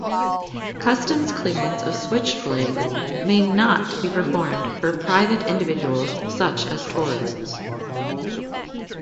Customs clearance of switchblades may not be performed for private individuals such as tourists.